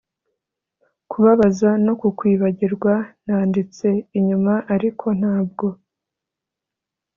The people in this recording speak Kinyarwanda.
kubabaza no kukwibagirwa. nanditse inyuma ariko ntabwo